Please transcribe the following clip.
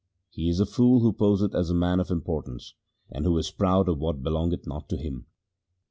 He is a fool who poseth as a man of importance, and who is proud of what belongeth not to him.